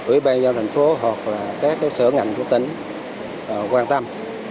ủy ban do thành phố hoặc là các cái sở ngành của tỉnh quan tâm